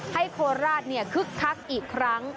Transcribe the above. ให้โคราชเนี่ยคึกคักอีกครั้ง